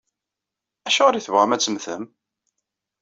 Acuɣer i tebɣam ad temmtem?